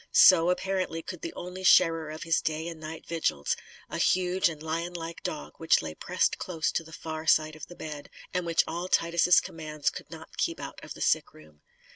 So, apparently, could the only sharer of his day and night vigils a huge and lionlike dog which lay pressed close to the far side of the bed, and which all Titus' commands could not keep out of the sick room.